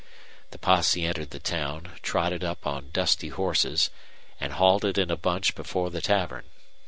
The posse entered the town, trotted up on dusty horses, and halted in a bunch before the tavern.